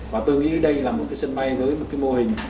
và tôi nghĩ đây là một cái sân bay với một cái mô hình